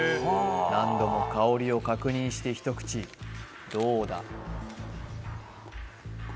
何度も香りを確認して一口どうだ？